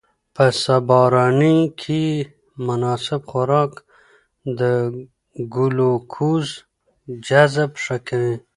په سباناري کې مناسب خوراک د ګلوکوز جذب ښه کوي.